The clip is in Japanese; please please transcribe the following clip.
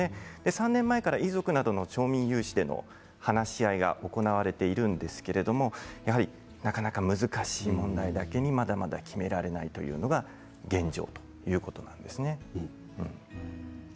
３年前から遺族などの町民有志で話し合いが行われているんですけれどもやはりなかなか難しい問題だけにまだまだ決められないということが現状です。